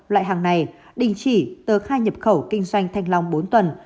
loại hàng này đình chỉ tờ khai nhập khẩu kinh doanh thanh long bốn tuần